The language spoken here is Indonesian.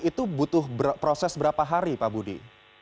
itu butuh proses berapa hari pak budi